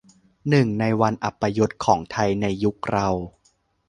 หนึ่งในวันอัปยศของไทยในยุคเรา